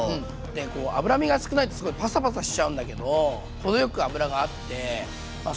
でこう脂身が少ないとすごいパサパサしちゃうんだけど程よく脂があってまあ